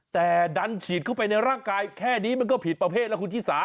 แต่ดันฉีดเข้าไปในร่างกายแค่นี้มันก็ผิดประเภทแล้วคุณชิสา